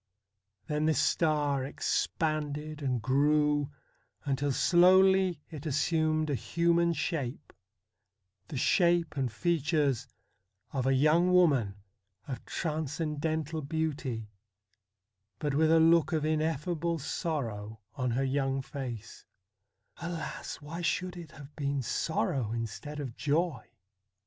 Then this star ex panded and grew, until slowly it assumed a human shape the shape and features of a young woman of transcendental beauty, but with a look of ineffable sorrow on her young face, Alas ! why should it have been sorrow instead of joy